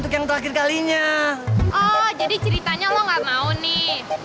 tidak dia katakan tidak nyambung nyambung